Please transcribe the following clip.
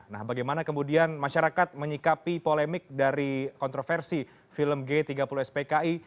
nah bagaimana kemudian masyarakat menyikapi polemik dari kontroversi film g tiga puluh spki